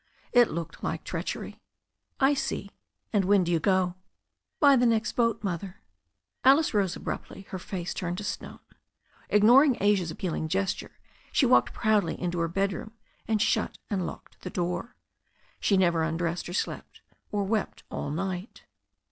It looked like treach ery. "I see. And w^ do you go?" "By the next boat. Mother." Alice rose abruptly, her face turned to Jstone. Ignoring Asia's appealing gesture, she walked proudly into her bed room, and shut and locked the door. She never undressed or slept, or wept all night.